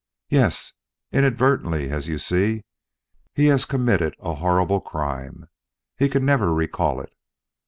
"Yes. Inadvertently, as you see, he has committed a horrible crime; he can never recall it.